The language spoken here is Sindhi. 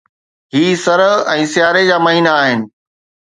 هي سرءُ ۽ سياري جا مهينا آهن.